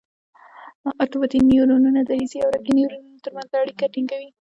ارتباطي نیورونونه د حسي او حرکي نیورونونو تر منځ اړیکه ټینګوي.